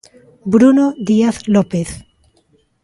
Bruno Díaz López.